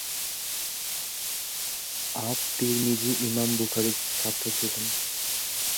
আত-তিরমিজি ইমাম বুখারীর ছাত্র ছিলেন।